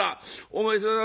お前さん